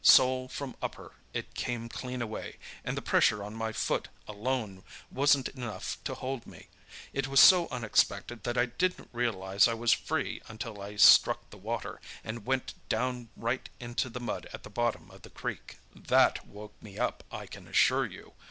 Sole from upper, it came clean away, and the pressure on my foot alone wasn't enough to hold me. It was so unexpected that I didn't realize I was free until I struck the water, and went down right into the mud at the bottom of the creek. "That woke me up, I can assure you.